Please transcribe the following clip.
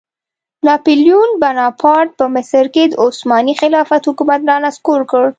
ناپیلیون بناپارټ په مصر کې د عثماني خلافت حکومت رانسکور کړ.